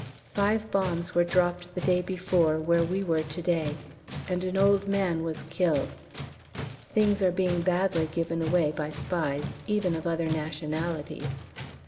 Five bombs were dropped the day before where we were to day, and an old man was killed. Things are being badly given away by spies, even of other nationalities.